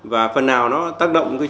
và phần nào nó tác động